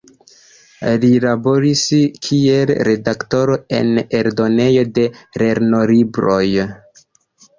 Li laboris kiel redaktoro en eldonejo de lernolibroj.